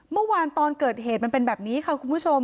เมื่อวานตอนเกิดเหตุมันเป็นแบบนี้ค่ะคุณผู้ชม